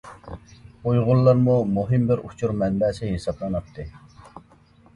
ئۇيغۇرلارمۇ مۇھىم بىر ئۇچۇر مەنبەسى ھېسابلىناتتى.